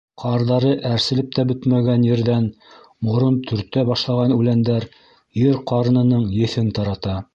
Ҡарҙары әрселеп тә бөтмәгән ерҙән морон төртә башлаған үләндәр ер ҡарынының еҫен тарата.